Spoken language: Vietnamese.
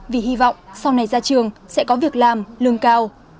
vì hy vọng sau này ra trường sẽ có việc làm lương cao